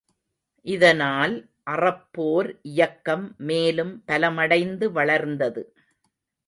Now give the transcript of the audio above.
இதனால் அறப்போர் இயக்கம் மேலும் பலமடைந்து வளர்ந்தது.